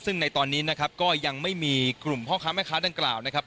ซึ่งในตอนนี้นะครับก็ยังไม่มีกลุ่มพ่อค้าแม่ค้าดังกล่าวนะครับ